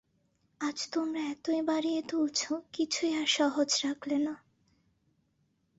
আজ তোমরা এতই বাড়িয়ে তুলছ, কিছুই আর সহজ রাখলে না।